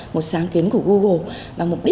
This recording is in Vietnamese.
một sáng kiến của google